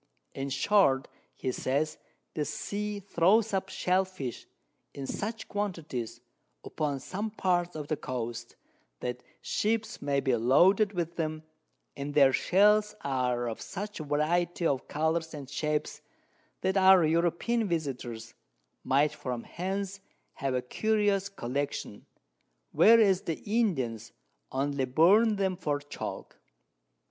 In short, he says, the Sea throws up Shell fish, in such Quantities, upon some Parts of the Coast, that Ships may be loaded with them, and their Shells are of such Variety of Colours and Shapes, that our European Virtusos might from hence have a curious Collection, whereas the Indians only burn them for Chalk.